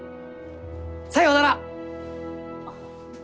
さようなら！